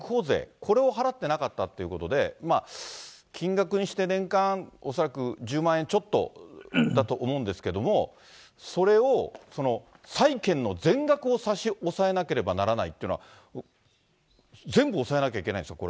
これを払っていなかったということで、金額にして年間恐らく１０万円ちょっとだと思うんですけれども、それを債権の全額を差し押さえなければならないっていうのは、全部押さえなきゃならないんですか？